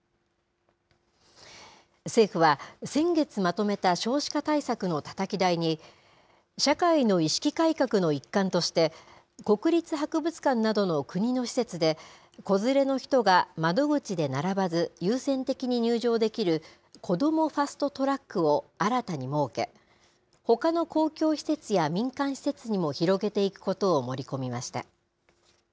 政府は、先月まとめた少子化対策のたたき台に、社会の意識改革の一環として、国立博物館などの国の施設で、子連れの人が窓口で並ばず、優先的に入場できるこどもファスト・トラックを新たに設け、ほかの公共施設や民間施設にも広げていくことを盛り込みました。